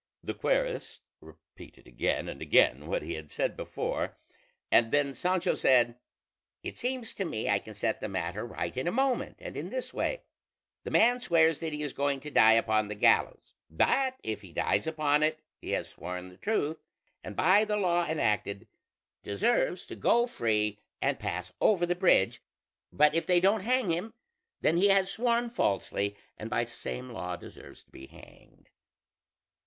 The querist repeated again and again what he had said before, and then Sancho said: "It seems to me I can set the matter right in a moment, and in this way: the man swears that he is going to die upon the gallows; but if he dies upon it, he has sworn the truth, and by the law enacted deserves to go free and pass over the bridge; but if they don't hang him, then he has sworn falsely, and by the same law deserves to be hanged."